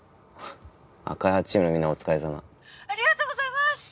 開発チームのみんなお疲れさまありがとうございます！